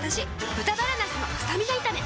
「豚バラなすのスタミナ炒め」